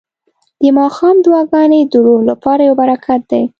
د ماښام دعاګانې د روح لپاره یو برکت دی.